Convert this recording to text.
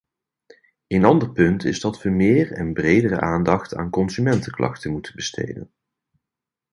Een ander punt is dat we meer en bredere aandacht aan consumentenklachten moeten besteden.